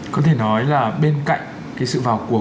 có thể nói là bên cạnh sự vào cuộc